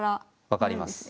分かります。